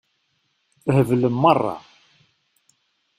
Theblem meṛṛa.